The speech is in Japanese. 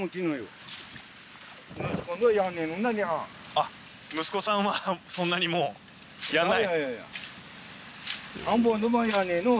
あっ息子さんはそんなにもうやらない？